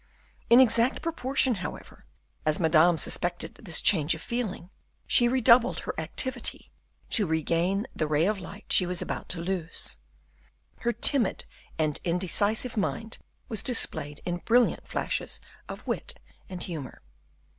In exact proportion, however, as Madame suspected this change of feeling, she redoubled her activity to regain the ray of light she was about to lose; her timid and indecisive mind was displayed in brilliant flashes of wit and humor.